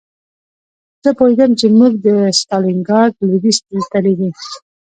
زه پوهېدم چې موږ د ستالینګراډ لویدیځ ته لېږي